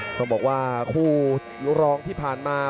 ต้องบอกว่าคู่รองที่ผ่านมา